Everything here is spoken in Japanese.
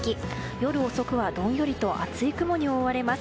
夜遅くはどんよりと厚い雲に覆われます。